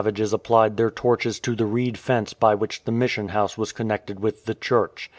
FACING THE CANNIBALS ages applied their torches to the reed fence by which the Mission House was connected with the church.